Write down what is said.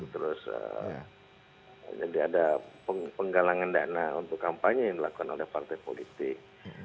terus jadi ada penggalangan dana untuk kampanye yang dilakukan oleh partai politik